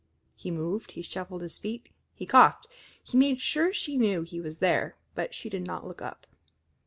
He moved, he shuffled his feet, he coughed; he made sure she knew he was there, but she did not look up.